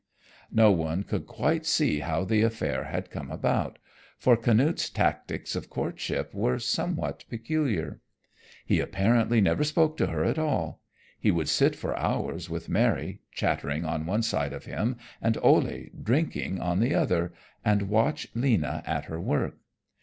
No one could quite see how the affair had come about, for Canute's tactics of courtship were somewhat peculiar. He apparently never spoke to her at all: he would sit for hours with Mary chattering on one side of him and Ole drinking on the other and watch Lena at her work.